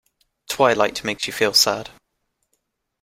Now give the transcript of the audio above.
Twilight makes you feel sad.